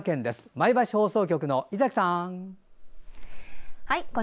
前橋放送局の伊崎さん。